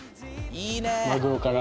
マグロから。